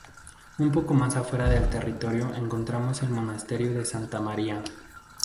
Un poco más afuera del territorio encontramos el Monasterio de Santa María.